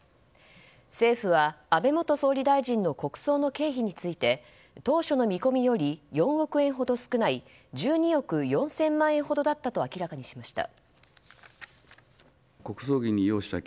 政府は、安倍元総理大臣の国葬の経費について当初の見込みより４億円ほど少ない１２億４０００万円ほどだったと明らかにしました。